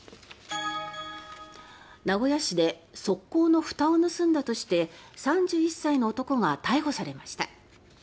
名古屋市で側溝のふたを盗んだとして３１歳の男が逮捕されました。